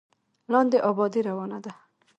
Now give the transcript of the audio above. لاندې ابادي روانه ده.